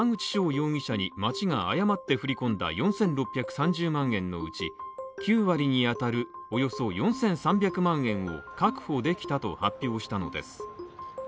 容疑者に町が誤って振り込んだ４６３０万円のうち、９割にあたるおよそ４３００万円を確保できたと発表したのです。